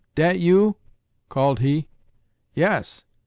Dat you?" called he. "Yas.